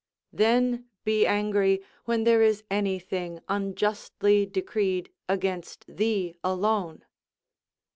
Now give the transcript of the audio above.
["Then be angry, when there is anything unjustly decreed against thee alone."